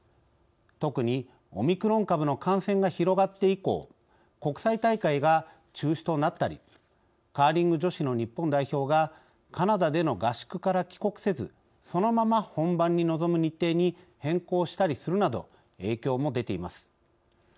特にオミクロン株の感染が広がって以降国際大会が中止となったりカーリング女子の日本代表がカナダでの合宿から帰国せずそのまま本番に臨む日程に変更したりするなど影響も出ています。